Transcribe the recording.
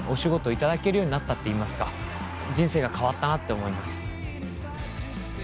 頂けるようになったっていいますか人生が変わったなって思います。